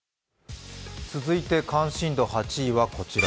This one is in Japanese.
続いて関心度８位はこちら。